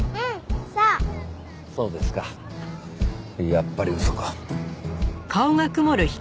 やっぱり嘘か。